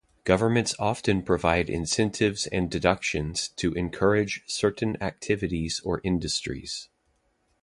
Governments often provide incentives and deductions to encourage certain activities or industries.